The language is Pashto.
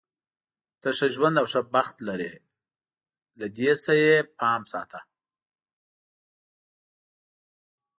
ته ښه ژوند او ښه بخت لری، له دې نه یې پام ساته.